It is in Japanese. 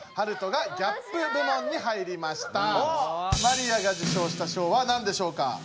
マリアが受賞した賞はなんでしょうか？